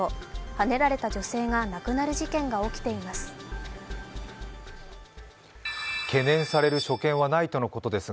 はねられた女性が亡くなる事件が起きています。